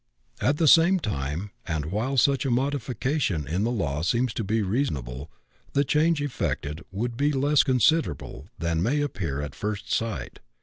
At the same time, and while such a modification in the law seems to be reasonable, the change effected would be less considerable than may appear at first sight.